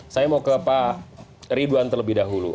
saya mau ke pak ridwan terlebih dahulu